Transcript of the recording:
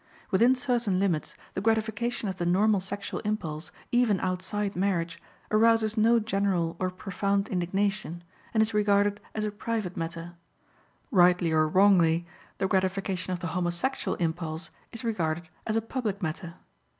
Within certain limits, the gratification of the normal sexual impulse, even outside marriage, arouses no general or profound indignation; and is regarded as a private matter; rightly or wrongly, the gratification of the homosexual impulse is regarded as a public matter.